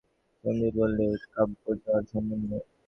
সন্দীপ বললে, কাব্যজ্বর সম্বন্ধে?